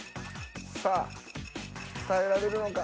さあ伝えられるのか。